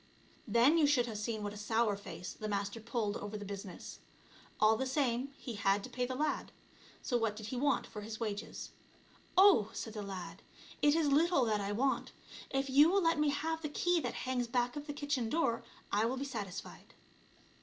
Then you should have seen what a sour face the Master pulled over the business ! All the same, he had to pay the lad ; so what did he want for his wages? " Oh !" said the lad, " it is little that I want. If you will let me have the key that hangs back of the kitchen door I will be satisfied."